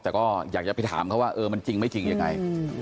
แต่ก็อยากจะไปถามเขาว่าเออมันจริงไม่จริงยังไง